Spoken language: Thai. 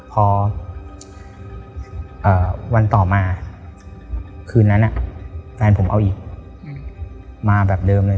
พอวันต่อมาคืนนั้นแฟนผมเอาอีกมาแบบเดิมเลย